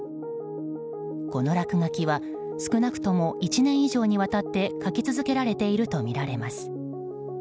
この落書きは少なくとも１年以上にわたって書き続けられているとみられています。